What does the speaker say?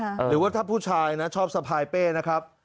หรือว่าถ้าผู้ชายนะชอบสะพายเป้นะครับ